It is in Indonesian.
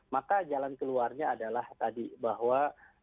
maka jalan keluarnya adalah tadi bahwa